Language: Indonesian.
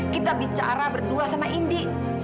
kita bicara berdua sama indi